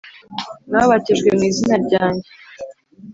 mwabatijwe mu izina ryanjye